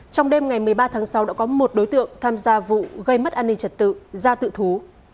trong đêm ngày một mươi ba tháng sáu đã có một đối tượng tham gia vụ gây mất an ninh trật tự ra tự thú